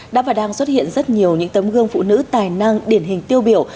đã và đang xuất hiện rất nhiều những tấm gương phụ nữ tài năng điển hình tiêu biểu